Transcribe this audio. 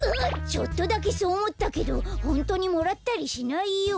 ちょっとだけそうおもったけどほんとにもらったりしないよ。